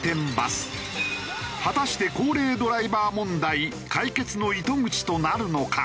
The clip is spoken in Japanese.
果たして高齢ドライバー問題解決の糸口となるのか？